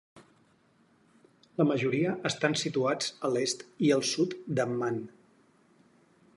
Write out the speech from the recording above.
La majoria estan situats a l'est i al sud d'Amman.